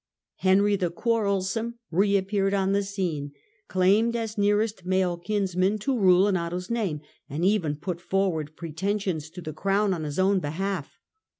Henry the Quarrelsome reappeared on the scene ; claimed, as nearest male kinsman, to rule in Otto's name, and even put forward pretensions to the crown on his own behalf.